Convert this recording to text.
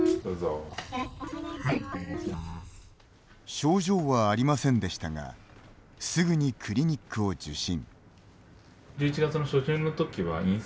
症状はありませんでしたがすぐにクリニックを受診。